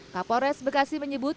kapolres bekasi menyebut